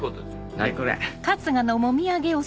はいこれ。